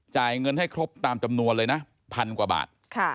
จ่ายเงินให้ครบตามจำนวนเลยนะพันกว่าบาท